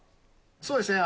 そうですね。